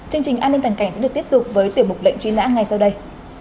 chương trình an ninh toàn cảnh sẽ được tiếp tục với tiệm mục lệnh trị lãi ngày sau đây